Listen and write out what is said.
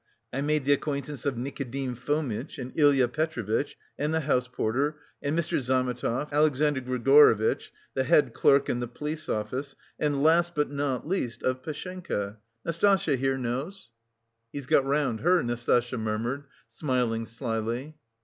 I made the acquaintance of Nikodim Fomitch and Ilya Petrovitch, and the house porter and Mr. Zametov, Alexandr Grigorievitch, the head clerk in the police office, and, last, but not least, of Pashenka; Nastasya here knows...." "He's got round her," Nastasya murmured, smiling slyly.